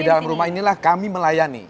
di dalam rumah inilah kami melayani